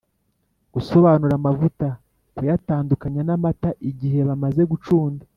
gusobanura amavuta: kuyatandukanya n’amata igihe bamaze gucunda.